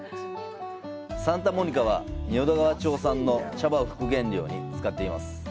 サンタモニカは、仁淀川町産の茶葉を副原料に使っています。